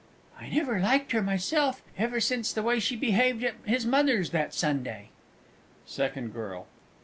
I never liked her myself ever since the way she behaved at his Mother's that Sunday. SECOND GIRL.